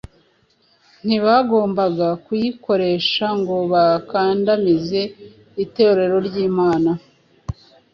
ntibagombaga kuyikoresha ngo bakandamize Itorero ry’Imana